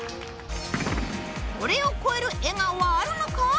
これを超える笑顔はあるのか？